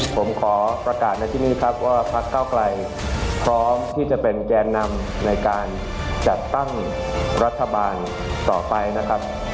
ผมขอประกาศในที่นี่ครับว่าพักเก้าไกลพร้อมที่จะเป็นแกนนำในการจัดตั้งรัฐบาลต่อไปนะครับ